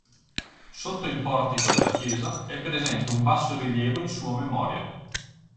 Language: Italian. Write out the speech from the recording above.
Sotto il portico della chiesa, è presente un bassorilievo in sua memoria.